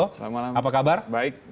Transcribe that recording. selamat malam apa kabar baik